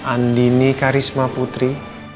andini karisma putri